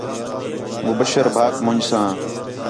مبشر بھاک مُنڄ ساں